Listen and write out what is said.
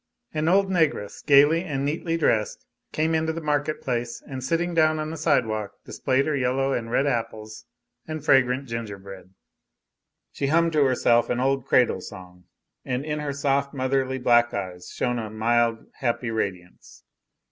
An old negress, gayly and neatly dressed, came into the market place, and sitting down on a sidewalk displayed her yellow and red apples and fragrant gingerbread. She hummed to herself an old cradle song, and in her soft, motherly black eyes shone a mild, happy radiance.